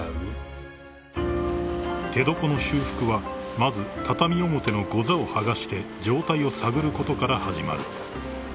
［手床の修復はまず畳表のござを剥がして状態を探ることから始まる］